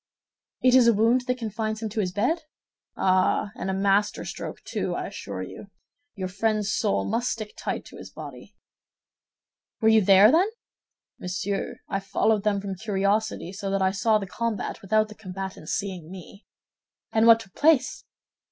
"It is a wound that confines him to his bed?" "Ah, and a master stroke, too, I assure you. Your friend's soul must stick tight to his body." "Were you there, then?" "Monsieur, I followed them from curiosity, so that I saw the combat without the combatants seeing me." "And what took place?"